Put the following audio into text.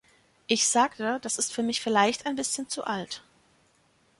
„Ich sagte: ‚Das ist für mich vielleicht ein Bisschen zu alt.